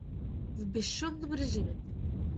В бесшумном режиме